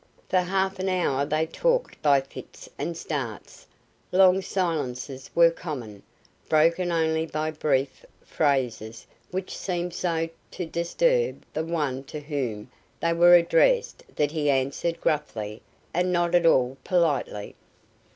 For half an hour they talked by fits and starts; long silences were common, broken only by brief phrases which seemed so to disturb the one to whom they were addressed that he answered gruffly and not at all politely.